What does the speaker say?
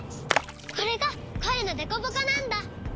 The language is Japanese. これがこえのデコボコなんだ。